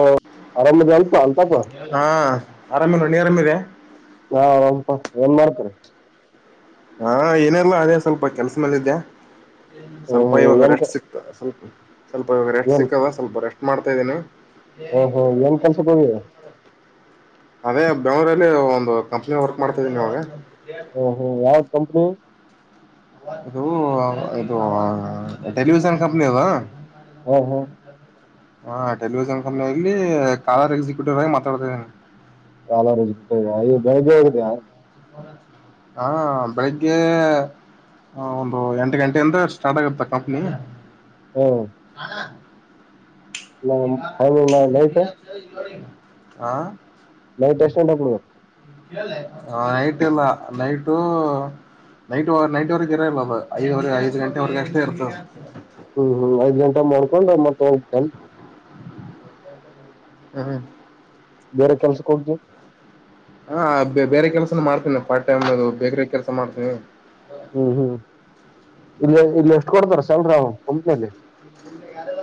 ಹ ಆರಾಮದ ಅಲ್ಪ ಅಂತಪ್ಪ ಹಾ ಆರಾಮೇ ನೋ ನೀ ಆರಾಮಿದೆ ನಾಪ ಏನ್ ಮಾಡ್ತರಿ ಹಾ ಏನಲ್ಲ ಅದೇ ಸ್ವಲ್ಪ ಕೆಲ್ಸ ಮೇಲ್ಲ ಇದಿದ್ದ್ಯಾ ಹ್ಮ್ ಸ್ವಲ್ಪ ಹ್ಮ್ ಇವಾಗ ಏನ್ ರೆಸ್ಟ್ ಕೆ- ಸಿಕ್ತ ಸ್ವಲ್ಪ ಸ್ವಲ್ಪ ಇವಾಗ ರೆಸ್ಟ್ ಏನ್ ಸಿಕ್ದ ಸ್ವಲ್ಪ ರೆಸ್ಟ್ ಮಾಡ್ತಾ ಇದೀನಿ ಹೇ ಹ್ಮ್ ಹ್ಮ್ ಏನ್ ಕೆಲ್ಸಕ್ ಹೋಗಿದ್ರಿ ಬೆಂಗಳೂರಲ್ಲಿ ಒಂದು ಕಂಪ್ನಿ ವರ್ಕ್ ಮಾಡ್ತಿದೀನಿ ಅವವಾಗ ಹ್ಮ್ ಹ್ಮ್ ಯಾವ ಕಂಪನಿ ಇದು ಇದು ಟೆಲಿಿವಷನ್ ಕಂಪನಿ ಅದಾ ಹ್ಮ ಹಾ ಹಾ ಟೆಲಿವಿಷನ್ ಕಂಪನಿಯಲ್ಲಿ ಕಾರ್ ಎಕ್ಸಿಕ್ಯೂಟಿವ್ ಆಗಿ ಮಾತಾಡ್ತಿ ಕಾಲ ರಜ ಅಯ ಬೆಳಗ್ಗೆ ಹೋಗಿದೆಯ ಹಾ ಬೆಳಿಗ್ಗೆ ಹ ಒಂದು ಎಂಟು ಗಂಟೆ ಅಂದ್ರೆ ಸ್ಟಾರ್ಟ್ ಆಗುತ್ತ ಕಂಪನಿ ನ ಹ ನ ಸ ಹಾ ನೈ ಟಷ್ಟಂಟ ಕೊ ಹ ನೈಟ್ ಇಲ್ಲ ನೈಟು ನೈಟ್ ನೈಟ್ ವರೆಗೆ ಇರಲ್ಲ ಅ ಐದವರೆ ಐದು ಗಂಟೆವರೆಗ ಅಷ್ಟೇ ಇರ್ತದೆ ಮಾಡ್ಕೊಂಡ್ರ ಮತ್ತ ಹ್ ಹ್ಮ್ ಬೇರೆ ಕೆಲ್ಸಕ್ಕೆ ಹೋಗ್ದ ಹಾ ಬೇರೆ ಕೆಲಸನ ಮಾಡ್ತೀನಿ ಪಾರ್ಟ್ ಟೈಮ್ ಅದು ಬೇಕ್ರ ಕೆಲಸ ಮಾಡ್ತೀನಿ ಹ ಇಲ್ಲ ಇಲ್ಲಿ ಎಷ್ಟು ಕೊಡ್ತಾರ ಸಾಮರಾಮ್ ಕಂಪನಿಯಲ್ಲಿ ಯಾರ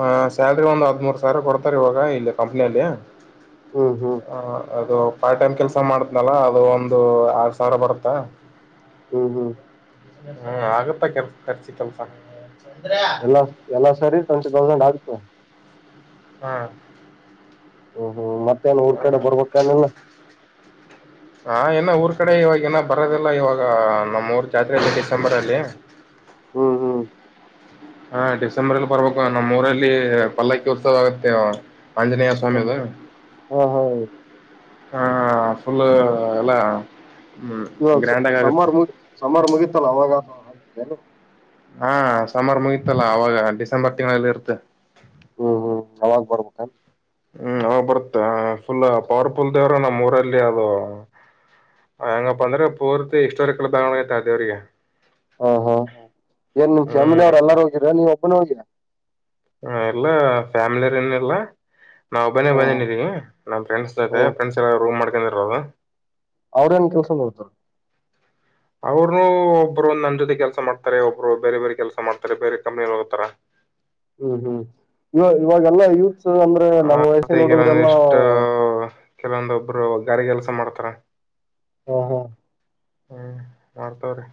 ಆ ಸ್ಯಾಲ್ರಿ ಒಂದು್ ಹದ್್ಮೂರು ಸಾವಿರ ಕೊಡ್ತಾರೆ ಇವಾಗ ಇಲ್ಲಿ ಕಂಪ್ನಿಯಲ್ಲಿ ಹ್ಮ್ ಹ್ಮ್ ಅದು ಪಾರ್ಟ್ ಟೈಮ್ ಕೆಲ್ಸ ಮಾಡತ್್ನಲ ಅದು ಒಂದು ಆರ್ ಸಾವಿರ ಬರುತ್ತಾ ಹ್ಮ್ ಹ್ಮ್ ಹ್ಮ ಆಗತ್ತ ಕೆರ್ ಕರ್ಸಿತ್ಲ್ಪ ಎಲ್ಲಾ ಎಲ್ಲಾ ಸರಿ ಟ್ವೆಂಟಿ ತೌಸಂಡ್ ಆಗ್ತ ಹಾ ಹ್ ಹ್ಮ್ ಮತ್ತೆ ಹ ಹಾ ನ ಊರ್ ಕಡೆ ಇವಾಗ ನ ಬರೋದಿಲ್ಲ ಇವಾಗ ನಮ್ಮೂರು ಜಾತ್ರೆ ಅದೆ ಡಿಸೆಂಬರಲ್ಲಿ ಹ್ಮ ಹಾ ಹಾ ಡಿಸೆಂಬರ್ ಅಲ್ಲಿ ಬರ್ಬೇಕು ನಮ್ಮ್ೂಊರಲ್ಲಿ ಪಲ್ಲಕ್ಕಿ ಉತ್ಸವ ಆಗತ್ತೆ ಆಂಜನೇಯ ಸ್ವಾಮಿದ ಹ ಹಾ ಹಾ.. ಫುಲ್ ಎಲ್ಲಾ ಇವಾಗ ಸಾ ಸಾಮರ್ ಸಾಮರು ಮುಗಿತಲ್ಲ ಅವಾಗತ ಹಾ ಸಮರ್ ಮುಗತಲ್ಲ ಅವಾಗ ಡಿಸೆಂಬರ್ ತಿಂಗಳಲ್ಲಿ ಇರ್ತ್ತೆ ಹ್ಮ್ ಹ್ಮ್ ಅವಾಗ್ ಬರ್ಬೇಕನ್ ಹ್ಮ್ ಅವ ಬರುತ್ತೆ ಫುಲ್ ಪವರ್ಫುಲ್ ದೇವ್ರ ನಮ್ಮ್ ಊರಲ್ಲಿ ಅದು ಹೆಂಗಪ್ಪ ಅಂದ್ರೆ ಪೂರ್ತಿ ಹಿಸ್ಟೋಾರಿಕಲ್ ಬೊಂಡ್ತ ದೇವ್ರಿಗೆ ಹಾ ಹಾ ಹ್ ಏನ್ ನಿಮ್ ಹ್ಮ್ ಫ್ಯಾಮಿಲಿ ಅವ್ರು ಎಲ್ಲಾರು ಹೋಗಿದರ ನೀವ್ ಒಬ್ಬನು ಹೋಗಿರಾ ಹ ಎಲ್ಲಾ ಫ್ಯಾಮಿಲಿರ್ ಎಲ್ಲಾ ನಾವು ಒಬ್ಬನೇ ಬಂದೇನಿ ಹ್ಮ್ ಇಲಿಗಿ ನಮ್ಮ ಫ್ರೆಂಡ್ಸ್ ಜೊತೆ ಫ್ರೆಂಡ್ಸ್ ಎಲ್ಲಾ ರೂಮ್ ಮಾಡ್ಕೊಂಡಿರದು. ಅವ್ರುನೇ ಕೆಲಸ ನೋಡ್ತಾರ ಅವ್ರು ಒಬ್ರು ನನ್ನ ಜೊತೆ ಕೆಲಸ ಮಾಡ್ತಾರೆ ಒಬ್ರು ಬೇರೆ ಬೇರೆ ಕೆಲಸ ಮಾಡ್ತಾರೆ ಬೇರೆ ಕಂಪನಿಗ ಹೋಗ್ತಾರ ಹ್ಮ್ ಹ್ಮ್ ಇವ ಇವಾಗೆಲ್ಲಾ ಯೂತ್ಸ್ ಅಂದ್ರೆ ನಮ್ಮ್ ಮತ್ತೆ ವಯಸ್ಸಿನ ಹುಡುಗರೆಲ್ಲಾ ಕೆಲವೊಂದಿಷ್ಟು ಕೆಲವೊಂದೊಬ್ರು ಗಾರೆ ಕೆಲಸ ಮಾಡ್ತಾರೆ. ಹ ಹಾ ಹ್ಮ್ ಮಾಡ್ತವ್ರೆ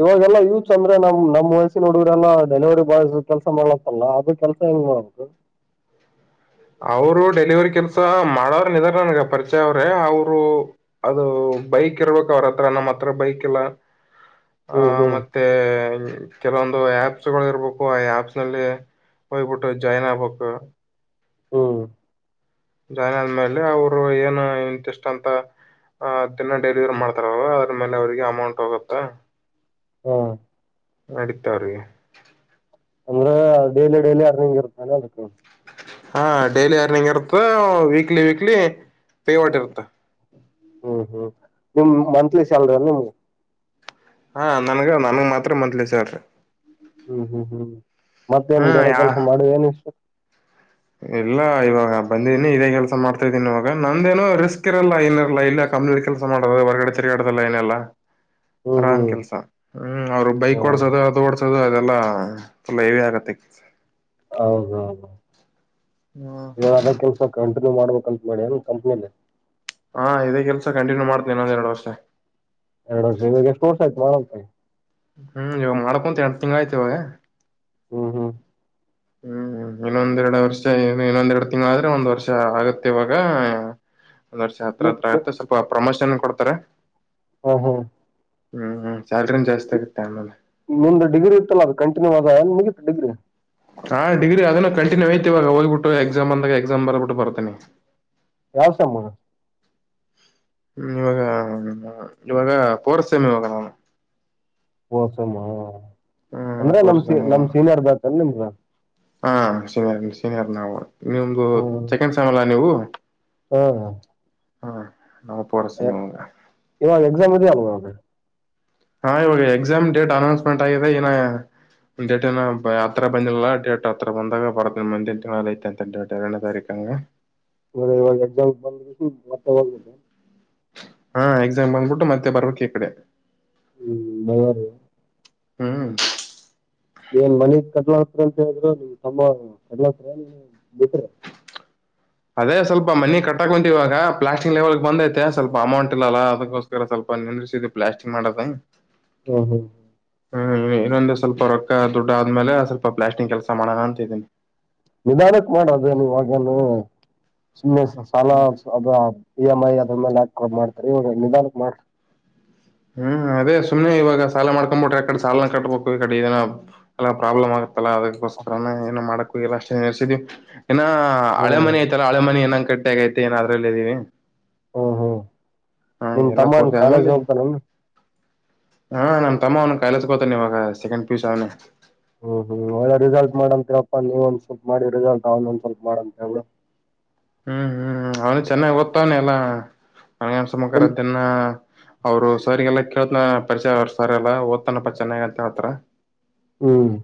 ಇವಾಗೆಲ್ಲ ಯೂತ್ಸ್ ಅಂದ್ರೆ ನಾವು ನಮ್ ವಯಸ್ಸಿನ ಹುಡುಗರೆಲ್ಲ ಡೆಲಿವರಿ ಬಾಯ್ಸ್ ಕೆಲ್ಸ ಮಾಡ್ಲತ್ತಲ್ಲ ಅದು ಕೆಲಸ ಹೆಂಗ್ ಹೌ [unintelligible] ಅವರು ಡೆಲಿವರಿ ಕೆಲಸ ಮಾಡೋರ್ ಇದ್ದಾರೆ ನನಗೆ ಪರಿಚಯ ಅವ್ರೆ ಅವರು ಅದು ಬೈಕ್ ಇರಬೇಕು ಅವ್ರ ಹತ್ರ ನಮ್ಮ್ ಹತ್ರ ಬೈಕ್ ಇಲ್ಲ ಆ ಹ್ಮ್ ಹ್ಮ್ ಮತ್ತೆ ಬೈ ಕೆಲವೊಂದು ಆ್ಯಪ್ಸ್ ಗಳು ಇರಬೇಕು ಆ ಆಪ್ಸ್ ಅಲ್ಲಿ ಹೋಗ್ಬಿಟ್ಟು ಜಾಯಿನ್ ಆಗ್ಬೇಕು. ಹ್ಮ್ ಜಾಯಿನ್ ಆದ್ಮೇಲೆ ಅವರು ಏನು ಇಂತಿಸ್ಟ್ ಅಂತ ಆ ದಿನ ಡೆಲಿವರಿ ಮಾಡ್ತಾರಲ್ಲ ಅದ್ರ ಮೇಲೆ ಅವರಿಗೆ ಅಮೌಂಟ್ ಹೋಗುತ್ತೆ. ಹಾ ನಡೆತ್ ಅವರಿಗೆ ಅಂದ್ರೆ ಡೈಲಿ ಡೈಲಿ ಅರ್ನಿಂಗ್ ಇರುತ್ತೆ ಅದಕ ಹಾ ಡೈಲಿ ಅರ್ನಿಂಗ್ ಇರುತ್ತೆ ವೀಕ್ಲಿ ವೀಕ್ಲಿ ಪೇಮೆಂಟ್ ಇರುತ್ತ ಹ್ಮ್ ಹ್ಮ್ ನಿಮ್ ಮಂತ್ಲಿ ಸ್ಯಾಲ್ರಿ ಅಲ್ಲ ನಿಮ್ಗೆ ಹಾ ನನಗ ನನಗ್ ಮಾತ್ರ ಮಂತ್ಲಿ ಸ್ಯಾಲರಿ ಹ್ಮ್ ಹ್ಮ್ ಹ್ಮ್ ಮತ್ತೇನ್ ಬೇರೆ ಯಾ ಕೆಲಸ ಮಾಡಿಯೆನ್ ಏನಷ್ಟು ಇಲ್ಲ ಇವಾಗ ಬಂದ್ದೀನಿ ಇದೇ ಕೆಲಸ ಮಾಡ್ತಾ ಇದ್ದೀನಿ ಇವಾಗ ನಂದೇನೋ ರಿಸ್ಕ್ ಇರಲ್ಲ ಇನ್ ಏನೋ ಇಲ್ಲಿ ಕಂಪನಿಯಲ್ಲಿ ಕೆಲಸ ಮಾಡೋದು ಹೊರಗಡೆ ತೀರಗಡೆದೆಲ್ಲ ಏನಿಲ್ಲ ಹ್ಮ್ ಆರಾಮ್ ಹ್ಮ್ ಕೆಲಸ ಹ್ಮ್ ಅವ್ರು ಹ ಬೈಕ್ ಓಡ್ಸೋದು ಅದು ಓಡ್ಸೋದು ಆದೆಲ್ಲ ಪುಲ್ ಹೆವಿ ಆಗುತ್ತೆ ಹೌದ.. ಹ್ಮ್ ಇವಾಗ ಅದೇ ಕೆಲಸ ಕಂಟಿನ್ಯೂ ಮಾಡ್ಬೇಕ್ ಕಂಪನಿ ಕಂಪನಿಲ್ಲಿ ಹಾ ಇದೇ ಕೆಲಸ ಕಂಟಿನ್ಯೂ ಮಾಡ್ತೀನಿ ಇನ್ನೊಂದು ಎರಡು ವರ್ಷ ಎರಡ್ ವರ್ಷ ಇವಾಗ ಎಷ್ಟು ವರ್ಷ [unintelligible] ಹ್ಮ್ ಇವಾಗ ಮಾಡಕೊಂತೆ ಹತ್ತು ಆಯ್ತವೆ ಹ್ಮ ಹ್ಮ್ ಹ್ಮ್ ಇನ್ನೊಂದೆರಡು ವರ್ಷ ಏನೋ ಇನ್ನೊಂದೆರಡು ತಿಂಗಳ ಆದ್ರೆ ಒಂದ್ ವರ್ಷ ಆಗತ್ತೆ ಇವಾಗ ಒಂದ್ ವರ್ಷ ಹತ್ರ ನಿ- ಹತ್ರ ಆಯತ್ ಸ್ವಲ್ಪ ಪ್ರಮೋಷನ್ ಕೊಡ್ತಾರೆ. ಹ್ಮ ಹಾ ಹ್ಮ್ ಹ್ಮ್ ಸ್ಯಾಲ್ರಿನ ಜಾಸ್ತಿ ಹ್ ಆಗುತ್ತೆ ಆಮೇಲೆ ನಿಂದ್ ಡಿಗ್ರಿ ಇತ್ತಲ್ಲ ಅದು ಕಂಟಿನ್ಯೂ ಆದ ಮುಗಿತ್ತ್ ಡಿಗ್ರಿ ಹ ಡಿಗ್ರಿ ಅದನ್ನೆ ಕಂಟಿನ್ಯೂ ಐತಿ ಇವಾಗ ಹೋಗ್ಬಿಟ್ಟು ಎಕ್ಸಾಮ್ ಬಂದಾಗ ಎಕ್ಸಾಮ್ ಬರ್ಬಿಟ್ಟು ಬರ್ತಿನಿ. ಯಾವ್ ಸೇಮ್ ಹ್ಮ್ ಇವಾಗ ಇವಾಗ ಪೋರ್ಸ್ ಸೇಮ್ ಇವಾಗ ಅವನ್ ಪೋರ್ ಸೇಮ ಅಂದ್ರೆ ನಮ್ ಫೋರ್ತ್ ಸಿ ಸೆಮ್ ನಮ್ ಸೀನಿಯರ್ ಬ್ಯಾಚ್ ಏನ್ ನಿಮ್ದು ಹಾ ಸೀನಿಯರ್ ಸೀನಿಯರ್ ನಾವು ನಿಮ್ದು ಹ್ಮ್ ಸೆಕೆಂಡ್ ಸೇಮಲ್ಲ ನೀವು ಹಾ ನಾವು ಫೋರ್ತ್ ಹ ಸೆಮ್ ಇವಾಗ ಇವಾಗ ಎಕ್ಸಾಮ್ ಇದ್ದೀಯಾ ಇವಾಗ ಹಾ ಇವಾಗ ಎಕ್ಸಾಮ್ ಡೇಟ್ ಅನೌನ್ಸ್ಮೆಂಟ್ ಆಗಿದೆ ಏನೋ ಡೇಟೆನೊ ಆತ್ರ ಬಂದಿಲ್ಲಾ ಡೇಟ್ ಆತ್ರ ಬಂದಾಗ ಬರದ್ ಮುಂದಿನ ತಿಂಗಳಗ್ ಐತೆ ಅಂತೆ ಡೇಟ್ ಎರಡನೇ ತಾರೀಕ ಹಂಗ ಲೇ ಒಂದ್ ಎಕ್ಸಾಮ್ ಬಂದದ್ದಿ ಮತ್ತ ಇವಾಗ ಬಂದ್ಬಿಟ್ಟೆ. ಹಾ ಎಕ್ಸಾಮ್ ಬಂದ್ಬಿಟ್ಟು ಮತ್ತೆ ಬರ್ಬೇಕ್ ಈ ಕಡೆ. ಹ್ಮ್ ಬಾರಿ. ಹ್ಮ್. ಏನ್ ಮನಿ ಕಟ್ಲ ಹತ್ರ ಅಂತ ಹೇಳಿದ್ರು ನಿಮ್ ತಮ್ಮ ಕಟ್ಲತ್ರ ನ್ ಬಿಟ್ರ. ಅದೇ ಸ್ವಲ್ಪ ಮನೆ ಕಟ್ಟಾಕ್ ಕುಂತಿವಿ ಇವಾಗ ಪ್ಲಾಸ್ಟಿಕ್ ಲೆವೆಲ್ಗೆ ಬಂದೈತೆ ಸ್ವಲ್ಪ ಅಮೌಂಟ್ ಇಲ್ಲ ಅದಕ್ಕೋಸ್ಕರ ಸ್ವಲ್ಪ. ಬಂದ್ ನಿಂದ್ರಿಸಿದ್ವಿ ಪ್ಲಾಸ್ಟಿಕ್ ಮಾಡೋದ. ಹ್ಮ ಹಾ. ಹ್ಮ್ ಇನ್ನೊಂದು ಸ್ವಲ್ಪ ರೊಕ್ಕ ದುಡ್ಡ ಆದ್ಮೇಲೆ ಸ್ವಲ್ಪ ಪ್ಲಾಸ್ಟಿಂಗ್ ಕೆಲಸ ಮಾಡೋಣ ಅಂತ ಇದೀನಿ. ನಿಧಾನಕ್ಕೆ ಮಾಡದು ಇವಾಗೆನು. ಸುಮ್ನೆ ಸಾಲ ಹ್ಮ್ ಅದು ಪಿ ಎಮ್ ಐ. ಒಮ್ಮೇಲೆ ಹಾಕ್ಕೊಂಡ ಮಾಡ್ತಿರಿ ಇವಾಗ್ ನಿಧಾನಕ್ ಮಾಡ್ರಿ. ಹ್ಮ್ ಅದೇ ಸುಮ್ನೆ ಇವಾಗ ಸಾಲ ಮಾಡ್ಕೊ ಬಿಟ್ರೆ ಆಕಡೆ ಸಾಲ ಕಟ್ಬೇಕು ಈ ಕಡೆ ಇದ ಪ್ರಾಬ್ಲಮ್ ಆಗ. ಗತ್ತಲ್ಲಾ ಅದಕ್ಕೋಸ್ಕರನೆ ಏನು ಮಾಡಕ್ಕು ಇಲ್ಲ ಅಷ್ಟೇ ನರ್ಸಿದಿವಿ. ಇನ್ನ ಹಳೆ ಹ್ಮ್ ಮನೆ ಐತಲ್ಲ ಹಳೆ ಮನೆ ಏಂಗ ಗಟ್ಟಿ ಐತೆ ಏನೋ ಅದ್ರಲ್ಲ ಇದ್ದೀವಿ. ಹ್ಮ ಹ್ಮ್ ನಿಮ ತಮ್ಮನ್ ಪೂರ್ತಿ ಕಾಲೇಜ್ ಆದ್ಮೇಲೆ ಹೋಗ್ತಾನನ್. ಹಾ ನಮ್ ತಮ್ಮ ಅವ್ ಕಾಲೇಜ್ ಹೋಗ್ತಾವನೆ ಇವಾಗ ಸೆಕಂಡ್ ಪಿ ಯು ಸಿ ಅವ್ನೇ. ಹ್ಮ್ ಹ್ಮ್ ಒಳ್ಳೆ ರಿಸಲ್ಟ್ ಮಾಡಂತೇಳಪ್ಪಾ ನೀವ ಒಂದ್ ಸ್ವಲ್ಪ ಮಾಡಿ ರಿಸಲ್ಟ್ ಅವನೊಂದ್ ಸ್ವಲ್ಪ ಮಾಡಂತ ಹೇಳ್ಬಿಡು. ಹ್ಮ್ ಹ್ಮ್ ಹ್ಮ್ ಅವನು ಚೆನ್ನಾಗ್ ಓದ್ತವನೆೆ ಎಲ್ಲ. ಇಲ್ಲಿ [unintelligible] ದಿನ್ನ ಅವರು ಸರಿಗೆಲ್ಲ ಕೆಳ್. ಎಲ್ಲಾ ಪರಿಚಯರ್ತಾರ ಎಲ್ಲಾ ಓದ್ತನಪ್ಪಾ ಚೆನ್ನಾಗ ಅಂತ ಹೇಳ್ತಾರ. ಹ್ಮ್.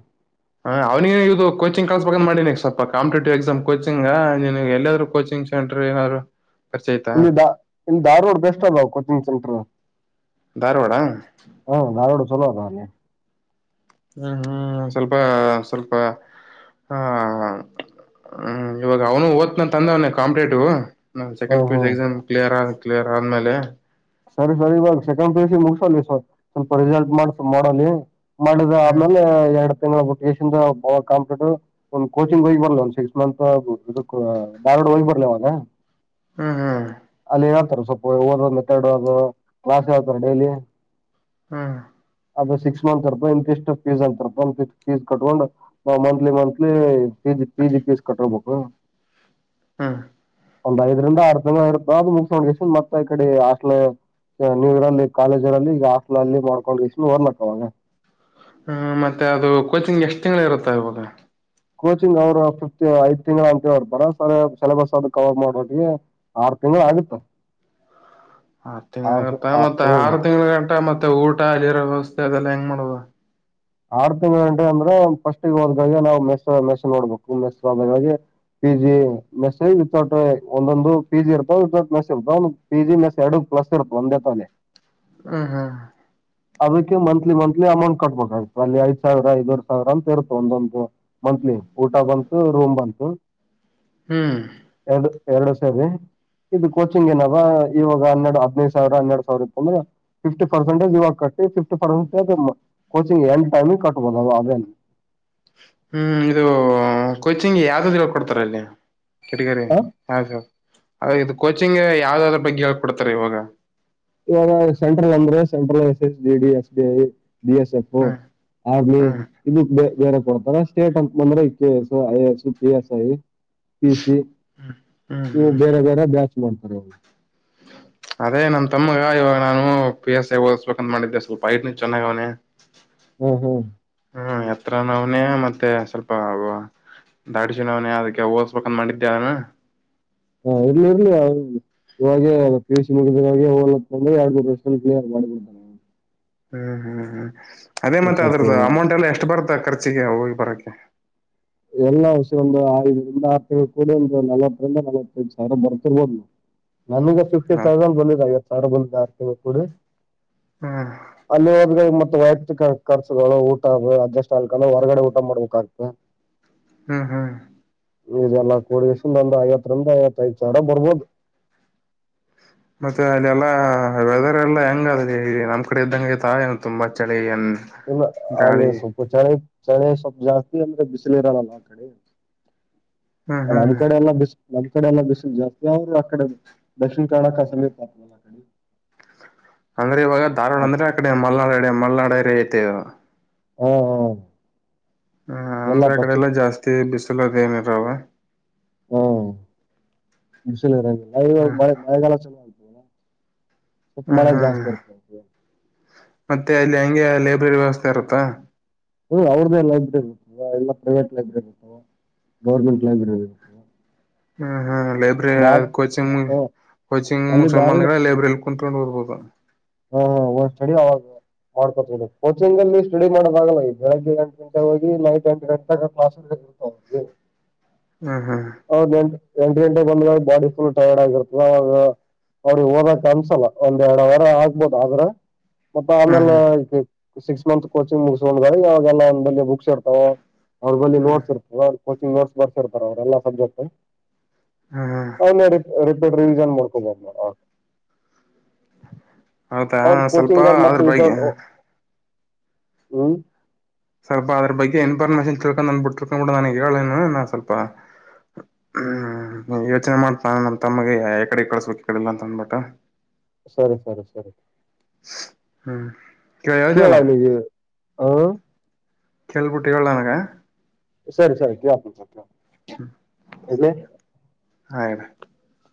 ಹ ಅವ್ನಿಗೆ ಇದು ಕೋಚಿಂಗ್ ಕಳಸ್ಬೇಕಂತ ಮಾಡಿನಿ ಸ್ವಲ್ಪ ಕಾಪಿಟೇಟಿವ್ ಎಕ್ಸಾಮ್ ಕೋಚಿಂಗ್ ನೀನಗ ಎಲ್ಲಾದರೂ. ಕೋಚಿಂಗ್ ಸೆಂಟರ್ ಏನಾರಾ. ಇಲ್ಲಿ ಧಾ ಇಲ್ಲಿ ಧಾರವಾಡ ಬೆಸ್ಟ್ ಅಲ್ಲಾ ಕೋಚಿಂಗ್ ಸೆಂಟರ್. ಧಾರವಾಡ. ಹ್ಮ್ ಧಾರವಾಡ ಚಲೋ ಆದಾ ಅಲ್ಲಿ. ಹ್ಮ್ ಹ್ಮ್ ಸ್ವಲ್ಪ ಸ್ವಲ್ಪ. ಹಾ ಹ್ಮ್ ಇವಾಗ ಅವನು ಓತ್ನ ಅಂದಾನ ಕಾಂಪೇಟೇಟೀವ್. ನಾವು ಸೆಕೆಂಡ್ ಹ್ಮ್ ಪಿ ಯು ಎಸ್ ಹ್ಮ್ ಎಕ್ಸಾಮ್ ಕ್ಲಿಯರ್ ಕ್ಲಿಯರ್ ಆದ್ಮೇಲೆ. ಸರಿ ಸರಿ ಇವಾಗ ಸೆಕೆಂಡ್ ಪಿಯುಸಿ ಮುಗಸಲಿ ಸ್ವಲ್ಪ ರಿಸಲ್ಟ್ ಮಾಡ ಮಾಡಲಿ. ಮಾಡುದು ಹ್ಮ್ ಆಮೇಲೆ ಎರಡ್. ಪಿ ಯು ಸಿ ಇಂದ ಬಾಳ ಕಾಂಪಿಟೆಟಿವ್ ಒಂದ್ ಕೋಚಿಂಗ್ ಹೋಗಿ ಬರಲ ಒಂದ್ ಸಿಕ್ಸ್ ಮಂತ್ ಇದಕ್ಕ ಧಾರವಾಡ. ಹೋಗಿ ಬರ್ಲಿ ಆವಾಗ ಹ್ಮ್ ಹ್ಮ್ ಅಲ್ಲಿ ಹೇಳ್ತಾರ ಸ್ವಲ್ಪ. ಮಾತಡುದು ಕ್ಲಾಸ್ ಹೇಳ್ತರ ಡೈಲಿ. ಹ್ಮ್. ಅದು ಸಿಕ್ಸ್ ಮಂತ್ ಇರ್ತಾದ ಇಂತ ಇಷ್ಟ ಫೀಸ್ ಅಂತ ಇರ್ತಾದ ಫೀಸ್ ಕಟ್ಕೊಂಡು ನಾವು monthly monthly. PG PG fees ಕಟ್ಬೇಕು. ಹ್ಮ. ಒಂದ್ ಐದರಿಂದ ಆರ್ ತಿಂಗಳ ಇರ್ತಾದ ಅದು ಮುಗಸ್ಕೆಂಡು ಗೆಸಿ ಮತ್ತ ಈ ಕಡೆ ಹಾಸ್ಟ್ಲ. ಇವಾಗ ನೀವು ಇರಲ್ಲಿ ಕಾಲೇಜರಲ್ಲಿ ಈಗ ಹಾಸ್ಟಲ ಅಲ್ಲಿ ಮಾಡ್ಕೊಂಡಗೆಸಿ ಒದ್ಲಾಕ್ ಆವಾಗ. ಹ್ಮ ಮತ್ತೆ ಅದು ಕೋಚಿಂಗ್ ಎಷ್ಟ್ ತಿಂಗಳು ಇರುತ್ತ ಇವಾಗ. ಕೋಚಿಂಗ್ ಅವ್ರು ಫಿಫತ್ ಐದ್ ತಿಂಗಳು ಅಂತ ಹೇಳಿರ್ತಾರ ಸಿಲೆಬಸ್ ಅದು ಕವರ್ ಮಾಡೋವಟಿಗೆ ಆರ್. ತಿಂಗಳ ಆಗುತ್ತಾ. ಆರ್ ತಿಂಗಳ ಆಗತ್ತ ಮತ್ತೆ ಹ್ಮ್ ಆರು ತಿಂಗಳ ಗಂಟ ಮತ್ತೆ ಊಟ ಅಲ್ಲಿರೋ ವ್ಯವಸ್ಥೆ. ಅದೆಲ್ಲ ಹೆಂಗ್ ಮಾಡದ. ಆರ್ ತಿಂಗಳ ಗಂಟ ಅಂದ್ರ ಫಸ್ಟ್ಗೆ ಹೋದಾಗಳಿಗೆ ನಾವ್ ಮೆಸ್ಸ ಮೆಸ ನೋಡ್ಬೇಕು ಮೆಸ್ಗೆಳಿಗೆ. ಪಿ ಜಿ ಮೆಸ್ ವಿತೌಟ್ ಒಂದೊಂದು ಪಿ ಜಿ ಇರ್ತಾವ ವಿತೌಟ್ ಮೆಸ್ ಇರ್ತವ ಒಂದೊಂದು ಪಿಜಿ ಮೆಸ್ ಎರಡು ಇರ್ತಾವ. ಪ್ಲಸ್ ಇರ್ತ ಒಂದೇತಲ್ಲೇ. ಹ್ಮ್ ಹ್ಮ್. ಅದಕ್ಕೆ ಮಂತ್ಲಿ ಮಂತ್ಲಿ ಅಮೌಂಟ್ ಕಟ್ಬೇಕಾಗಿತು ಅಲ್ಲಿ ಐದ್ ಸಾವಿರ ಐದ್ರಡ್ ಸಾವಿರ ಅಂತ ಇರುತ್ತ ಒಂದೊಂದು ಮಂತ್ಲಿ ಊಟ ಬಂತು ರೂಮ್ ಬಂತು ಹ್ಮ್ ಎರಡು ಎರಡು ಸರಿ ಇದು ಕೋಚಿಂಗ್ ಏನಾವ ಇವಾಗ ಹನ್ನೆರಡು ಹದ್ನೈದು ಸಾವಿರ ಹನ್ನೆರಡ್ ಸಾವಿರ ಇತ್ತುಂದ್ರ ಫಿಫ್ಟಿ ಪರ್ಸೆಂಟಜ್ ಯುವಾಗ ಕಟ್ಟ ಫಿಫ್ಟಿ ಪರ್ಟಜ್ ಕೋಗ್ ಎಂಡ ಟಮ ಕಟ್ಟುವ ಆದನು ಹ್ಮ್ ಇದು ಕೊಚಿಂಗ್ ಯಾವ್ದ್ದ ಹೇಳ್ಕೊಡ್ತಾರ ಅಲ್ಲಿ ಕಿಡಿಗರಿ ಹಾ ಸರ್ ಇದು ಕೋಚಿಂಗ್ ಯಾವ್ದಾದ್ರ ಬಗ್ಗೆ ಹೇ ಕೊಡ್ತಾರೆ ಇವಾಗ ಇವಾಗ ಸೆಂಟ್ರಲ್ ಅಂದ್ರೆ ಸೆಂಟ್ರಲ್ ಎಸ್ ಎಸ್ ಜ D S B I B S F hmm army ಹ್ಮ್ ಇದು ಬೇರೆ ಕೊಡ್ತಾರೆ ಸ್ಟೇಟ್ ಅಂತ ಅಂದ್ರೆ K S I S P S I P C ಹ್ಮ್ ಇವು ಬೇರೆ ಬೇರೆ ಬ್ಯಾಚ್ ಮಾಡ್ತಾರೆ ಅವರು ಹ [inaudible] ಅದೇ ನಮ ತಮ್ಮಗ ಇವಾಗ ನಾನು ಪಿ ಎಸ್ ಐ ಓದಸ್ಬೇಕಂತ ಮಾಡಿದ್ದೆ ಸ್ವಲ್ಪ ಡ್ನ ಚೆನ್ನಾಗ ಅವನನೆ ಹ್ಮ್ ಹ್ಮ್ ಹ್ಮ್ ಹತ್ರ ನಾವನೇ ಮತ್ತೆ ಸ್ವಲ್ಪ ಆಗುವ ದಾಡ್ಸ ನವ್ನ ಅದಕ್ಕೆ ಓಸ್ಬೇಕಂದ ಮಾಡಿದ್ದೆ ಅವನ ಹಾ ಇಲ್ಲಿ ಇರ್ಲಿ ಅವ ಇವಾಗೆ ಪಿ ಯು ಸಿ ಮುಗಿದೋಗಂದ್ರೆ ಯಾರಿಗೂ ಪ್ರಶ್ನೆ ಕ್ಲಿಯರ್ ಮಾಡಿಬಿಡ್ತಾರೆ ನ ಹ್ಮ್ ಹ್ಮ್ ಹ್ಮ್ ಅದೇ ಮತ್ತೆ ಅದ್ರದ್ದ ಸ್ವಲ್ಪ ಅಮೌಂಟ್ ಎಲ್ಲಾ ಎಷ್ಟು ಬರ್ತ ಖರ್ಚ ಚಿಗೆ ಹೋಗಿ ಬರಕ್ಕೆೆ ಎಲ್ಲಾ ವರ್ಷಯ ಒಂದು ಐದರಿಂದ ಆರು ತಿಂಗಳು ಕೂಡಿ ಒಂದು ನಲವತ್ತರಿಂದ ನಲವತ್ತೈದು ಸಾವಿರ ಬರ್ತಿರ್ಬೋದು ನಾವು ನನಗ ಫಿಫ್ಟಿ ಹ ತೌಸಂಡ್ ಬಂದಿದ್ದ ಐವತ್ತು ಸಾವಿರ ಬಂದ ಆ ಕೊಡಿ ಹ್ಮ್ ಅಲ್ಲಿದ ಮತ್ತಯ ಖರ್ಚುಗಳು ಊಟ ಅಜಸ್ ಆ ಹೊರಗಡೆ ಊಟ ಮಾಡ್ಬೇಕಾ ಹ್ಮ್ ಹ್ಮ್ ಇದೆಲ್ಲಾ ಕೋಡಿ ವರ್ಷಿಂದ ಒಂದು ಐವತ್ತರಿಂದ ಐವತ್ತಐದುಡ ಬರ್ಬೋದು ಮತ್ತೆ ಅಲ್ಲಿಲ್ಲಾ ವೆದರ್ ಎಲ್ಲಾ ಹೆಂಗ ಅದಲ್ಲಿ ನಮ್ ಕಡೆ ಇದ್ದಂಗೆ ತಾಯ ತುಂಬಾ ಚಳಿನ್ ಇಲ್ಲ ಆಲ ಸು ಪುಚಾರೆ ಚಳ ಸ್ವಲ್ಪ ಜಾಸ್ತಿ ಅಂದ್ರೆ ಬಿಸಿಲಿ ಇರಲ್ಲಲ್ಲ ಆ ಕಡೆ ಹ್ಮ್ ನಮ್ಮ್ ಹ್ಮ್ ಕಡೆ ಎಲ್ಲ ಬಿಸಿಲು ನಮ್ ಕಡೆ ಎಲ್ಲ ಬಿಸಿಲು ಜಾಸ್ತಿ ಅವ್ರರು ಆ ಕಡೆ ದಕ್ಷಿಣ ಕರ್ಣಕ ಸಮೀಪ ಆತಲ್ಲ ಆ ಕಡೆ ಅಂದ್ರೆ ಇವಾಗ ಧಾರವಾಡ ಅದ್- ಅಂದ್ರೆ ಆ ಕಡೆ ಮಲ್ನಾಡಡೆ ಮಲ್ನಾಡರಿ ಐತೆ ಹ್ಮ್ ಹ್ಮ್ ಹ ಅಂದ್ರೆ ಆ ಕಡೆ ಎಲ್ಲ ಜಾಸ್ತಿ ಬಿಸಿಲುದ ಏನಿರ ಅವ ಹ್ಮ ಹ್ಮ್ ಮೆ ಮಳೆಗಾಲ ಚಲ ಸಪ್ ಹ್ಮ್ ಮಾರ ಹ್ಮ್ ಜಾಸ್ತರ್ತ ಮತ್ತೆ ಅಲ್ಲಿ ಹೆಂಗೆ ಲೈಬ್ರರಿ ವ್ಯವಸ್ಥೆ ಇರುತ್ತಾ ಹ್ಮ ಅವ್ರ್ದೇ ಲೈಬ್ರೆರಿ ಇರ್ತವ ಎಲ್ಲಾ ಪ್ರೈವೇಟ್ ಲೈಬ್ರೆರಿ ಇರ್ತಾವ ಗೌರ್ಮೆಂಟ್ ಲೈಬ್ರರಿ ಇರುತ್ತವಾ ಹ್ಮ ಹ್ಮ ಲೈಬ್ರರಿ ಕೋಚಿಂಗ್ ಆ, ಕೋಚಿಂಗ್ ಅಲ್ಲಿ ಧಾರವಾಡ ಸಂಬಂಧ ಲೈಬ್ರರಿ ಕನ್ಪಂಡ್ ಬರ್ಬೋದು ಹ್ಮ ಒಂದು ಸಡಿ ಅವಾಗ ಮಾಡ್ಕೊತವಿ ಕೋಚಿಂಗ್ ಅಲ್ಲಿ ಸ್ಟಡಿ ಮಾಡೋದಾಗ ಈ ಬೆಳಗ್ಗೆ ಎಂಟು ಗಂಟೆಗೆ ಹೋಗಿ ನೈಟ್ ಎಂಟು ಗಂಟೆ ಕ್ಲಸ್ ಹ್ಮ ಹಾ ಅವ್ರು ಎಂಟು ಎಂಟು ಗಂಟೆಗೆ ಬಂದಾಗ ಬಾಡಿ ಫುಲ್ ಟೈರ್ಡ್ ಆಗಿರ್ತದೆ ಅವವಾಗ ನಡಿ ಹಓದಕ್ ಅನ್ಸಲ್ಲ ಒಂದ್ ಎರಡು ವಾರ ಆಗ್ಬೋದ ಆದ್ರ ಮತ್ತ ಹ್ಮ್ ಆಮೇಲೆ ಹ್ಮ್ ಈ ಸಿಕ್ಸ್ ಮಂತ್ ಕೋಚಿಂಗ್ ಮುಗಸ್ಕೊಂಡ್ರ ಯಾವಾಗೆಲ್ಲ ಒಂದ ಬುಕ್ ಅವ್ರ ಬಲ್ಲಿ ಹ್ಮ್ ನೋಡ್ಸ್ ಇರ್ತ ಕೋಚಿಂಗ್ ನೋಸ್ ಬರ್ಸಿರ್ತಾರ ಅವ್ರಲ್ಲಾ ಸಬ್ಜೆಕ್ಟ್ ಹ್ಮ್ ಅನ್ನ ರಿ ರಿಪೀಟ್ ರಿವಿಷನ್ ಮಾಡ್ಕೊಬೋ ಹೌದಾ ಅವ್ರ ಸ್ವಲ್ಪ ಕೋಚಿಂಗ್ರ್ ಮತ್ತ ಅದ್ರ ವಿ ಬಗ್ಗೆ ಹ್ಮ ಸ್ವಲ್ಪ ಅದ್ರ ಬಗ್ಗೆ ಇನ್ಫಾರ್ಮೇಶನ್ ತಿಳ್ಕೊಂಡು ಅಂದ್ಬಿಟ್ಟಿ ತಿರ್ಕೊಂಡ್ ಬಿಿಡ ನನಗೆ ಹೇಳ ಸ್ವಲ್ಪ ಹ್ಮ್ ಯೋಚನೆ ಮಾಡ್ತಾನ ನಮ್ಮ ತಮ್ಮಗೆ ಯ ಕಡೆ ಕಳಸೋ ಕಡಿಲ್ಲಾ ಅಂತ ಅಂದಬಿಟ್ಟ ಸರಿ ಸರಿ ಸರಿ ಹ್ಮ್ ಕೇಳ ಹೇಳ್ದಲ್ಲ ಕೇಳಾ ನಿಜ ಹಾ ಕೇಳ್ಬಿಟ್ಟು ಹೇಳಲ್ಲ ನನಗ ಸರಿ ಸರಿ ಕತ ಆ